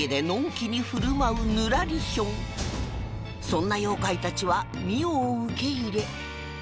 そんな妖怪たちは澪を受け入れ